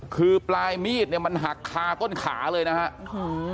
คือปลายมีดมันหักคาต้นขาเลยนะครับ